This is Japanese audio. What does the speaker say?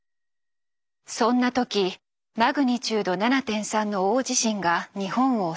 そんな時マグニチュード７．３の大地震が日本を襲います。